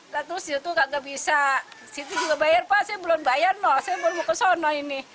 terus itu nggak bisa situ juga bayar pak saya belum bayar no saya belum ke sono ini